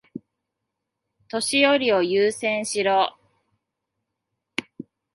年寄りを優先しろ。